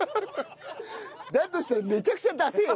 だとしたらめちゃくちゃダセえよ